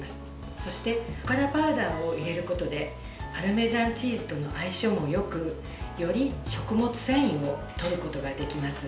そして、おからパウダーを入れることでパルメザンチーズとの相性もよくより食物繊維をとることができます。